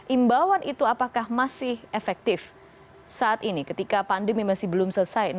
imbauan itu apakah masih efektif saat ini ketika pandemi masih belum selesai